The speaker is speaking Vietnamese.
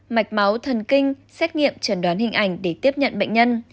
mạch máu thần kinh xét nghiệm chẩn đoán hình ảnh để tiếp nhận bệnh nhân